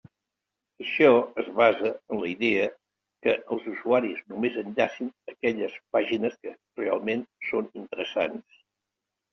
Això es basa en la idea que els usuaris només enllacen aquelles pàgines que realment són interessants.